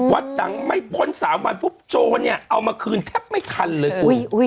วัดดังไม่พ้น๓วันปุ๊บโจรเนี่ยเอามาคืนแทบไม่ทันเลยคุณ